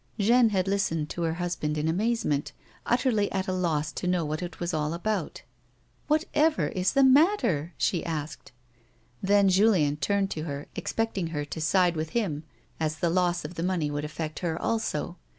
Jeanne had listened to her husband in amazement, utterly at a loss to know what it was all about ; A WOMAN'S LIFE. 129 " Whatever is the matter ?" she asked. Then Julien turned to her, expecting her to side with him, as the loss of the money would affect her also.